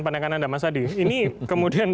pandangan anda mas adi ini kemudian